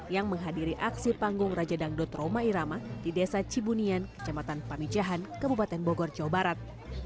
yang menghadiri aksi panggung raja dangdut roma irama di desa cibunian kecamatan pamijahan kabupaten bogor jawa barat